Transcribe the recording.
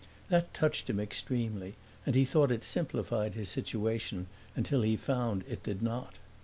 That touched him extremely, and he thought it simplified his situation until he found it did not.